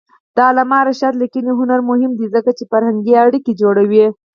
د علامه رشاد لیکنی هنر مهم دی ځکه چې فرهنګي اړیکې جوړوي.